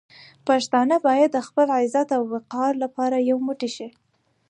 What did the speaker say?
پښتانه باید د خپل عزت او وقار لپاره یو موټی شي.